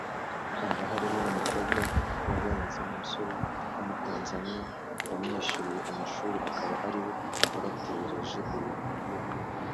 haba harimo umukobwa wabenze umusore w’umutanzaniya wamwishyuriye amashuri akaba ariwe wabaterereje iyo myuka